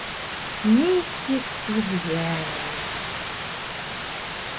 Нисек түҙгәнмен?!